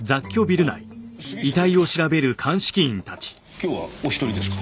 今日はお１人ですか？